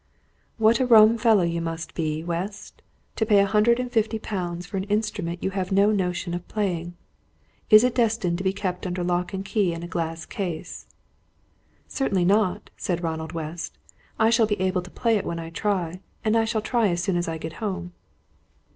"What a rum fellow you must be, West, to pay a hundred and fifty pounds for an instrument you have no notion of playing. Is it destined to be kept under lock and key in a glass case?" "Certainly not," said Ronald West. "I shall be able to play it when I try; and I shall try as soon as I get home."